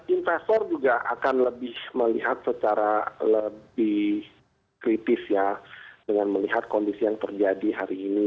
investor juga akan lebih melihat secara lebih kritis ya dengan melihat kondisi yang terjadi hari ini